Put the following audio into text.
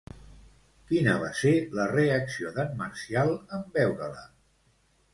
Quina va ser la reacció d'en Marcial en veure-la?